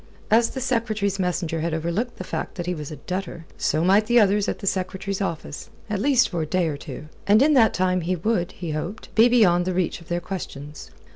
As the Secretary's messenger had overlooked the fact that he was a debtor, so might the others at the Secretary's office, at least for a day or two; and in that time he would, he hoped, be beyond the reach of their questions.